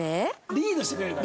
リードしてくれる感じ？